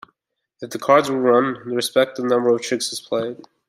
If the cards were run, the respective number of tricks is played.